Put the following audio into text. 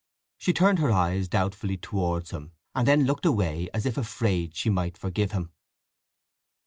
She turned her eyes doubtfully towards him, and then looked away as if afraid she might forgive him.